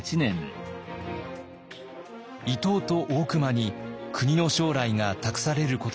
伊藤と大隈に国の将来が託されることになりました。